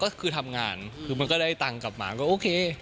ก็คือทำงานคือมันก็ได้ตังค์กลับมาก็โอเค